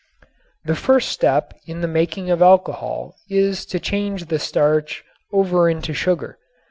The first step in the making of alcohol is to change the starch over into sugar.